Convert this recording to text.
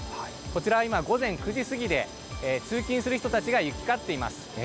こちらは今、午前９時過ぎで通勤する人たちが行き交っています。